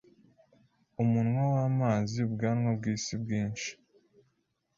umunwa wamazi ubwanwa bwisi bwinshi